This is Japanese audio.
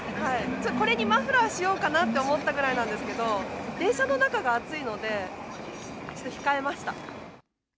これにマフラーしようかなって思ったぐらいなんですけど、電車の中が暑いので、ちょっと控えました。